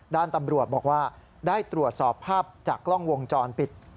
ด้านตำรวจบอกว่าได้ตรวจสอบภาพจากกล้องวงจรปิด